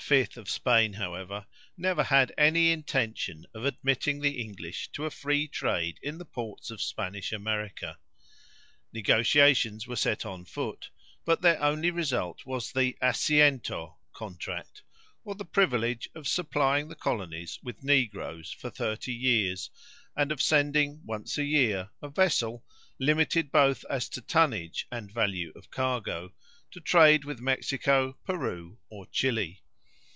of Spain, however, never had any intention of admitting the English to a free trade in the ports of Spanish America. Negotiations were set on foot, but their only result was the assiento contract, or the privilege of supplying the colonies with negroes for thirty years, and of sending once a year a vessel, limited both as to tonnage and value of cargo, to trade with Mexico, Peru, or Chili.